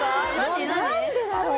何でだろう？